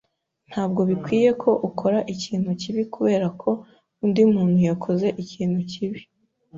Ntabwo bikwiye ko ukora ikintu kibi kubera ko undi muntu yakoze ikintu kibi.